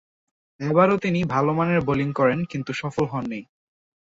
আবারও তিনি ভালোমানের বোলিং করেন কিন্তু সফল হননি।